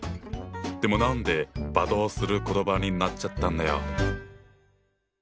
でも何で罵倒する言葉になっちゃったんだよ？